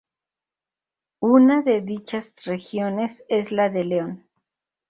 Una de dichas regiones es la de León.